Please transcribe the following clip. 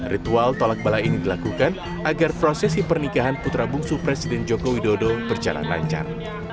ritual tolak bala ini dilakukan agar prosesi pernikahan putra bungsu presiden joko widodo berjalan lancar